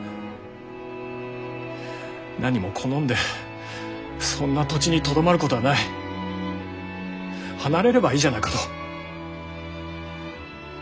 なにも好んでそんな土地にとどまることはない離れればいいじゃないかと。